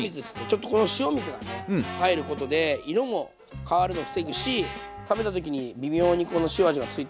ちょっとこの塩水がね入ることで色も変わるの防ぐし食べた時に微妙にこの塩味がついてるのですごくおいしくなります。